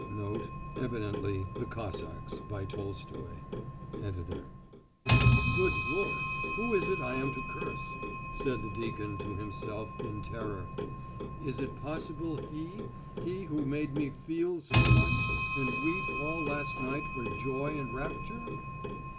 '" Evidently, "The Cossacks," by Tolstoy. (ED.)] "Good Lord! Who is it I am to curse?" said the deacon to himself in terror. "Is it possibly he he who made me feel so much, and weep all last night for joy and rapture?"